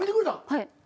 はい。